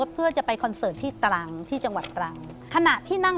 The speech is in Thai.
พี่คอยก็ชอบกินสตอง